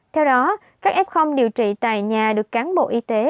theo đó các f điều trị tại nhà được cán bộ y tế